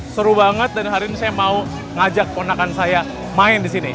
seru banget dan hari ini saya mau ngajak ponakan saya main di sini